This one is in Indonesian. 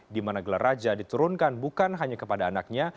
di mana gelar raja diturunkan bukan hanya kepada anaknya